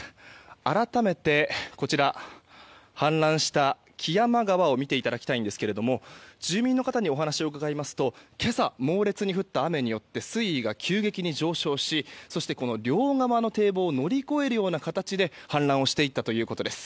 改めて、氾濫した木山川を見ていただきたいんですが住民の方にお話を伺いますと今朝、猛烈に降った雨によって水位が急激に上昇しそして、両側の堤防を乗り越えるような形で氾濫していったということです。